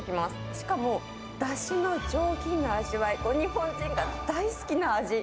しかも、だしの上品な味わい、日本人が大好きな味。